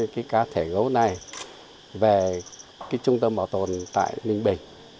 giao nộp hai cái cá thể gấu này về cái trung tâm bảo tồn tại ninh bình